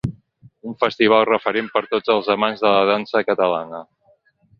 Un festival referent per tots els amants de la dansa catalana.